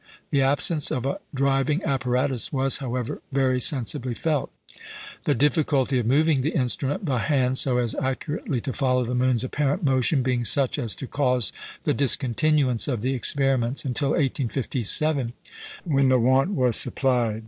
The absence of a driving apparatus was, however, very sensibly felt; the difficulty of moving the instrument by hand so as accurately to follow the moon's apparent motion being such as to cause the discontinuance of the experiments until 1857, when the want was supplied.